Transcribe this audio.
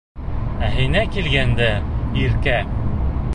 Ә һиңә килгәндә, Иркә...